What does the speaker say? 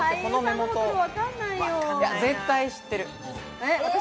絶対知ってる。